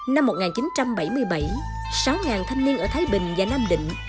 năm một nghìn chín trăm bảy mươi bảy sáu thanh niên ở thái bình và nam định